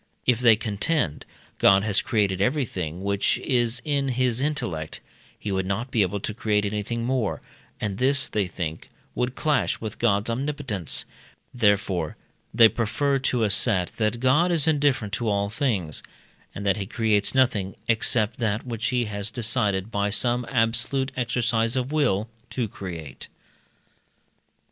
If, they contend, God had created everything which is in his intellect, he would not be able to create anything more, and this, they think, would clash with God's omnipotence; therefore, they prefer to asset that God is indifferent to all things, and that he creates nothing except that which he has decided, by some absolute exercise of will, to create.